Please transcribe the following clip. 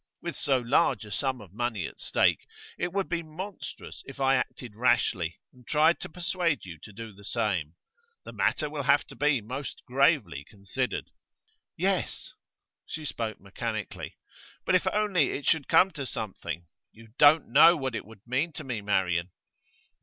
With so large a sum of money at stake, it would be monstrous if I acted rashly, and tried to persuade you to do the same. The matter will have to be most gravely considered.' 'Yes.' She spoke mechanically. 'But if only it should come to something! You don't know what it would mean to me, Marian.